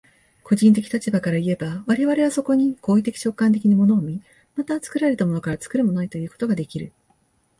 個人的立場からいえば、我々はそこに行為的直観的に物を見、また作られたものから作るものへということができる。